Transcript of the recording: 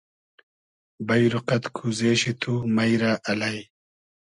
بݷرو قئد کوزې شی تو مݷ رۂ الݷ